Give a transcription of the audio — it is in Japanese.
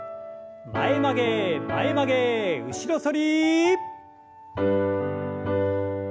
前曲げ前曲げ後ろ反り。